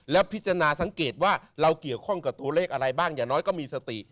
แล้วพิจารณาสังเกตว่าเราเกี่ยวข้องกับตัวเลขอะไรบ้างอย่างน้อยก็มีสติ